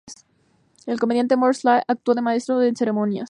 El comediante Mort Sahl actuó de maestro de ceremonias.